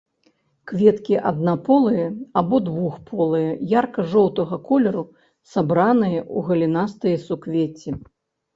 Кветкі аднаполыя або двухполыя, ярка-жоўтага колеру, сабраныя ў галінастыя суквецці.